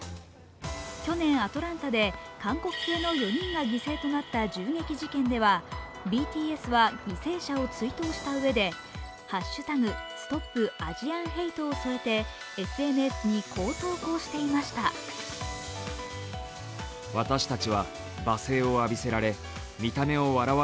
去年、アトランタで韓国系の４人が犠牲となった銃撃事件ではＢＴＳは犠牲者を追悼したうえで「＃ＳｔｏｐＡｓｉａｎＨａｔｅ」を添えてＳＮＳにこう投稿していました。